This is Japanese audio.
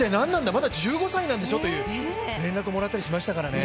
まだ１５歳なんでしょ？という連絡をもらったりしましたからね。